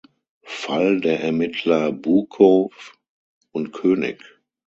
Fall der Ermittler Bukow und König.